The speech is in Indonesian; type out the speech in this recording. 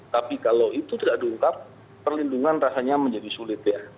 tapi kalau itu tidak diungkap perlindungan rasanya menjadi sulit ya